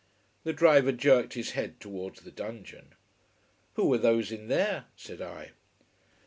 The driver jerked his head towards the dungeon. "Who were those in there?" said I.